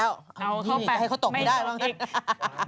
เอาเข้าไปไม่ตบอีกให้เขาตบไม่ได้